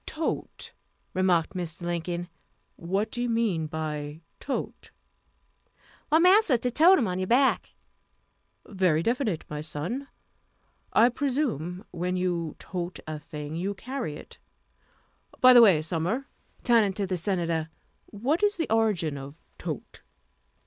"Tote," remarked Mr. Lincoln; "what do you mean by tote?" "Why, massa, to tote um on your back." "Very definite, my son; I presume when you tote a thing, you carry it. By the way, Sumner," turning to the Senator, "what is the origin of tote?"